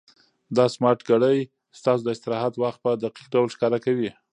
دا سمارټ ګړۍ ستاسو د استراحت وخت په دقیق ډول ښکاره کوي.